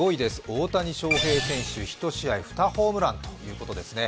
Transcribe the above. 大谷翔平選手、１試合２ホームランということですね。